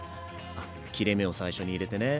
あ切れ目を最初に入れてね。